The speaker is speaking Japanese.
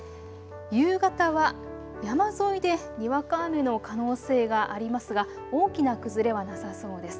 夕方は山沿いでにわか雨の可能性がありますが大きな崩れはなさそうです。